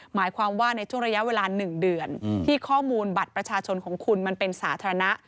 หมายความว่าในช่วงระยะเวลา๑เดือนที่ข้อมูลบัตรประชาชนของคุณมันเป็นสาธารณะ